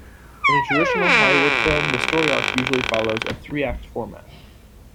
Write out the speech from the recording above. In a traditional Hollywood film, the story arc usually follows a three-act format.